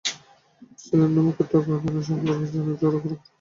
সেলেনার মুখের ত্বক কুঁচকানোসহ লুপাস জনিত রোগের অনেক লক্ষণ দেখা দিয়েছে।